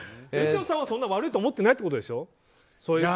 ユチョンさんはそんな悪いと思ってないってことでしょ。